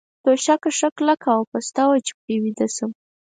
توشکه ښه کلکه او پسته وه، چې پرې ویده شم.